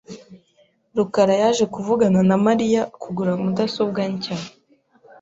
rukara yaje kuvugana na Mariya kugura mudasobwa nshya .